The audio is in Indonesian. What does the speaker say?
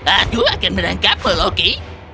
aku akan menangkapmu loki